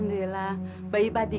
tidak ada apa apa